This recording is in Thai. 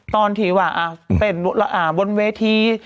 ตอนที่เป็นบนเวที